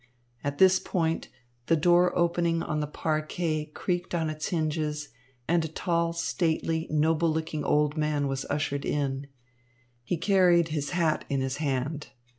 At this point, the door opening on the parquet creaked on its hinges, and a tall, stately, noble looking old man was ushered in. He carried his hat in his hand.